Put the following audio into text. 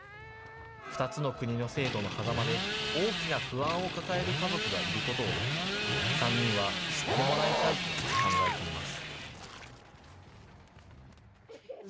２つの国の制度のはざまで、大きな不安を抱える家族がいることを、３人は知ってもらいたいと考えています。